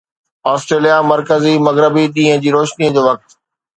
Australia مرڪزي مغربي ڏينهن جي روشني جو وقت